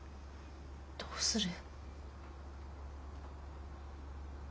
どうする？